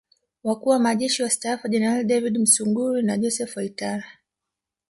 Wakuu wa Majeshi Wastaafu Jeneral David Msuguri na Joseph Waitara